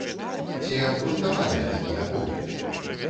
Ці абгрунтаваныя такія погляды?